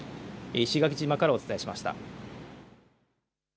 石垣島からお伝えしました。